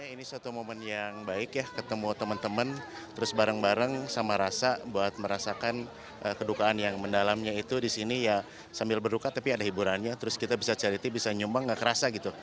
ini suatu momen yang baik ya ketemu teman teman terus bareng bareng sama rasa buat merasakan kedukaan yang mendalamnya itu disini ya sambil berduka tapi ada hiburannya terus kita bisa cariti bisa nyumbang gak kerasa gitu